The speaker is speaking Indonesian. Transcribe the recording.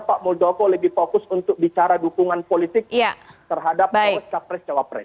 pak muldoko lebih fokus untuk bicara dukungan politik terhadap capres capres